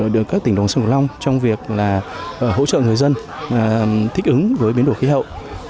được các tỉnh đồng sông cửu long trong việc hỗ trợ người dân thích ứng với biến đổi khí hậu